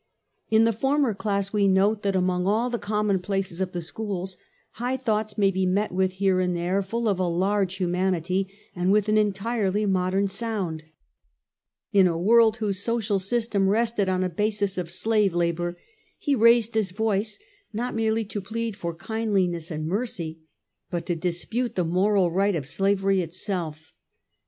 In the former class we note that among all the commonplaces of the schools, high thoughts may be met with here and there, full of a large humanity, and with an entirely modern sound. In a world whose social system rested on a basis of slave labour, he raised his voice not merely to plead for kindliness and mercy, but to dispute the moral right of slavery itself.